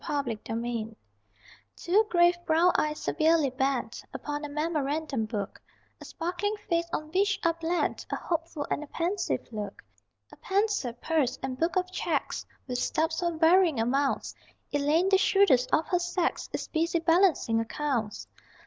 _ SUNDAY NIGHT Two grave brown eyes, severely bent Upon a memorandum book A sparkling face, on which are blent A hopeful and a pensive look; A pencil, purse, and book of checks With stubs for varying amounts Elaine, the shrewdest of her sex, Is busy balancing accounts.